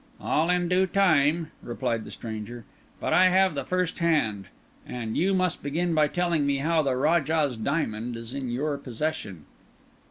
"All in due time," replied the stranger. "But I have the first hand, and you must begin by telling me how the Rajah's Diamond is in your possession."